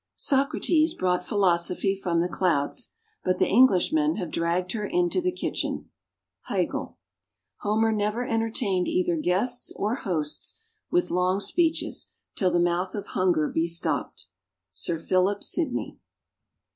Socrates brought Philosophy from the clouds, but the Englishmen have dragged her into the kitchen. HEGEL. Homer never entertained either guests or hosts with long speeches till the mouth of hunger be stopped. SIR PHILIP SIDNEY.